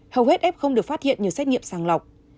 hầu hết f được phát hiện nhờ xét nghiệm sàng lọc